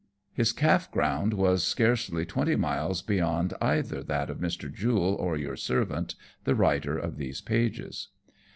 His calf ground was scarcely twenty miles beyond either that of Mr. Jule or your servant, the writer of these pages.